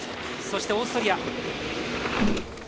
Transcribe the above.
そしてオーストリア。